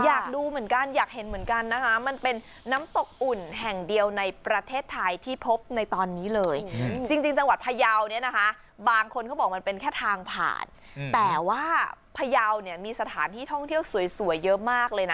อยากดูเหมือนกันอยากเห็นเหมือนกันนะคะมันเป็นน้ำตกอุ่นแห่งเดียวในประเทศไทยที่พบในตอนนี้เลยจริงจังหวัดพยาวเนี่ยนะคะบางคนเขาบอกมันเป็นแค่ทางผ่านแต่ว่าพยาวเนี่ยมีสถานที่ท่องเที่ยวสวยเยอะมากเลยนะ